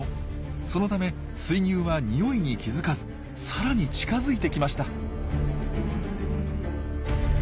そのためスイギュウはにおいに気付かずさらに近づいてきました。